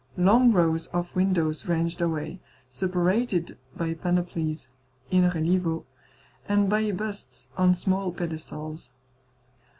Long rows of windows ranged away, separated by panoplies, in relievo, and by busts on small pedestals.